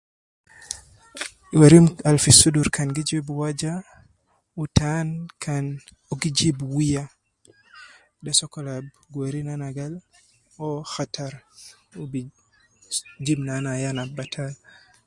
Werim Al fi sudur kan gi waja, u taan kan gi jibu wiya de sokol Al bi weri gal uwo khatar sunu jibu ayan al batal.